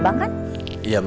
j pintu padamu